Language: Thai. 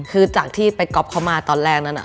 คือจากที่ไปก๊อฟเขามาตอนแรกนั้น